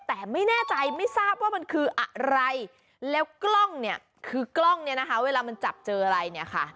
แต่ไม่แน่ใจไม่ทราบว่ามันคืออะไรแล้วกล้องเนี่ยคือกล้องเนี่ยนะคะเวลามันจับเจออะไรเนี่ยค่ะ